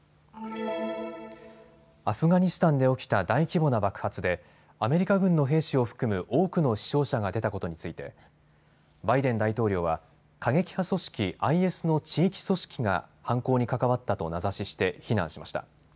アフガニスタンで起きた大規模な爆発でアメリカ軍の兵士を含む多くの死傷者が出たことについてバイデン大統領は過激派組織ＩＳの地域組織が犯行に関わったと名指しして非難しました。